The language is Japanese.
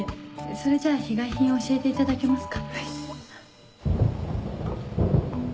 それじゃあ被害品教えていただけますか？